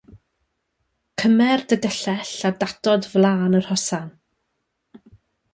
Cymer dy gyllell a datod flaen yr hosan.